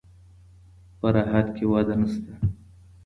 په راحت کې وده نشته.